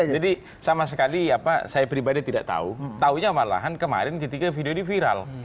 jadi sama sekali apa saya pribadi tidak tahu taunya malahan kemarin ketika video viral